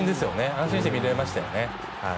安心して見られましたよね。